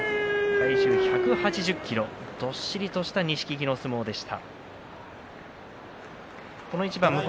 体重１８０ｋｇどっしりとした錦木の相撲でした。